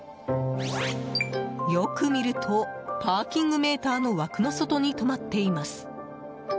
よく見るとパーキングメーターの枠の外に止まっています。